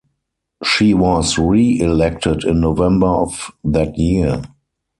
She was re-elected in November of that year.